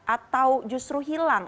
atau justru hilang